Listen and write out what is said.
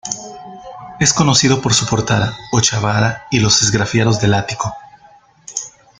Es conocido por su portada ochavada y los esgrafiados del ático.